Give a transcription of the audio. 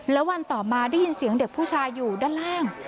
แล้ววันต่อมาได้ยินเสียงเด็กผู้ชายอยู่ด้านล่าง